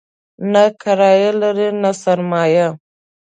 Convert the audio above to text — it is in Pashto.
نه کرايه لري او نه سرمایه.